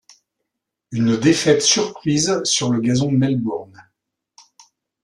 Une défaite surprise sur le gazon de Melbourne.